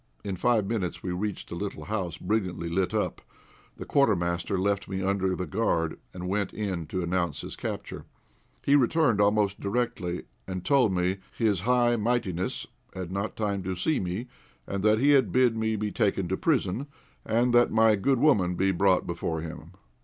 In five minutes we reached a little house, brilliantly lit up. The Quartermaster left me under the guard, and went in to announce his capture. He returned almost directly, and told me "his high mightiness," had not time to see me, and that he had bid me be taken to prison, and that my good woman be brought before him.